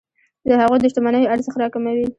د هغوی د شتمنیو ارزښت راکموي.